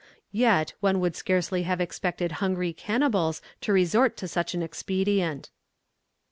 Yet, one would scarcely have expected hungry cannibals to resort to such an expedient.